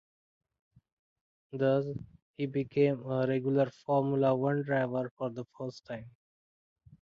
Thus, he became a regular Formula One driver for the first time.